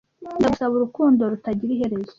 Ndagusaba Urukundo rutagira iherezo